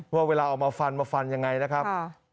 ว่าเวลาเอามาฟันมาฟันยังไงนะครับ